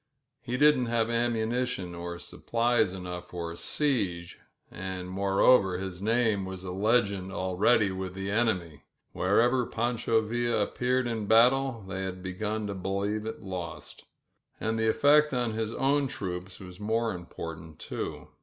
He didn't have ammunition or s plies enough for a siege, and, moreover, his name w« legend already with the enemy — wherever Pancho 'V appeared in battle, they had begun to believe it 1 And the effect on his own troops was most imports too.